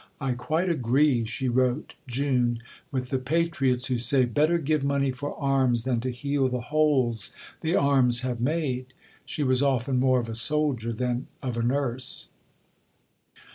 "I quite agree," she wrote (June), "with the Patriots who say, Better give money for arms than to heal the holes the arms have made." She was often more of a soldier than of a nurse.